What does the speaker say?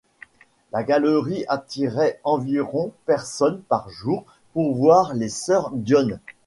La galerie attirait environ personnes par jour pour voir les sœurs Dionne.